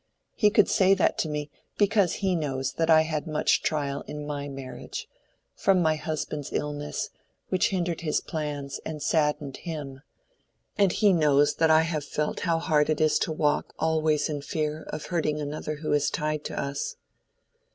He could say that to me, because he knows that I had much trial in my marriage, from my husband's illness, which hindered his plans and saddened him; and he knows that I have felt how hard it is to walk always in fear of hurting another who is tied to us."